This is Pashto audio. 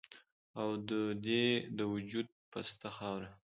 او د دې د وجود پسته خاوره